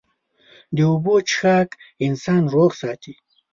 د اوبو څښاک انسان روغ ساتي.